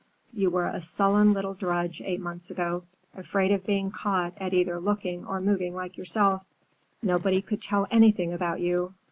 You were a sullen little drudge eight months ago, afraid of being caught at either looking or moving like yourself. Nobody could tell anything about you.